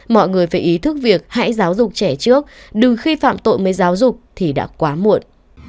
mọi người phải ý thức việc hãy giáo dục trẻ trước đừng khi phạm tội mới giáo dục thì đã quá muộn